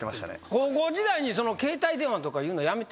高校時代に携帯電話とかいうのやめて。